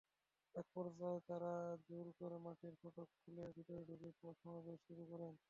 একপর্যায়ে তাঁরা জোর করে মাঠের ফটক খুলে ভেতরে ঢুকে সমাবেশ শুরু করেন।